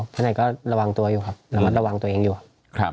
ท่านไหนก็ระวังตัวอยู่ครับระมัดระวังตัวเองอยู่ครับ